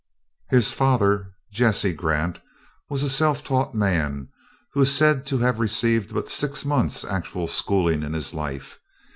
His father, Jesse Grant, was a self taught man, who is said to have received but six months actual schooling in his life.